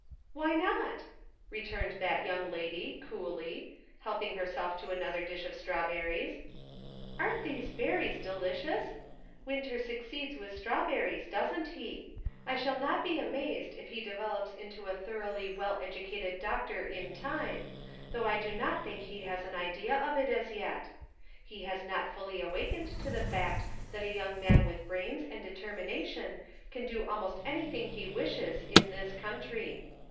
" Why not ?" returned that young lady, coolly, helping herself to another dish of strawberries. " Aren't these berries delicious ? Winter suc ceeds with strawberries, doesn't he .* I shall not be amazed if he develops into a thoroughly well educated doctor in time, though I do not think he has an idea of it as yet. He has not fully awakened to the fact that a young man with brains and determination can do almost anything he wishes, in this country.